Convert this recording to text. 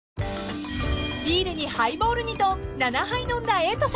［ビールにハイボールにと７杯飲んだ瑛人さん］